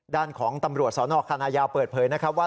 ด้านของตำรวจสนคณะยาวเปิดเผยนะครับว่า